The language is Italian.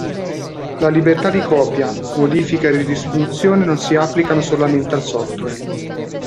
La libertà di copia, modifica e ridistribuzione non si applicano solamente al software.